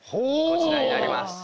こちらになります。